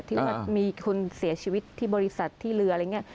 ที่ว่ามีคนเสียชีวิตที่บริษัทที่เรืออะไรอย่างนี้